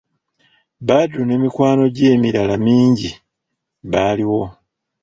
Badru ne mikwano gy'emirala mingi baaliwo.